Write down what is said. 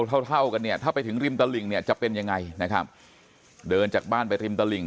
เท่าเท่ากันเนี่ยถ้าไปถึงริมตลิ่งเนี่ยจะเป็นยังไงนะครับเดินจากบ้านไปริมตลิ่ง